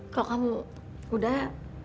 kalau kamu udah